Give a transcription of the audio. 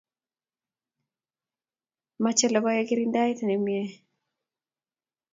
mache logoek kirindaet nemie